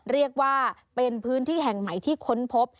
เรียกว่าเป็นพื้นที่แห่งใหม่ที่ค้นพบ